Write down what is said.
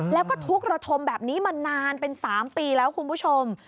แล้วก็ทุกระทมแบบนี้มานานเป็น๓ปีแล้วคุณผู้ชม